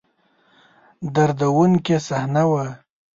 دردوونکې صحنه وه.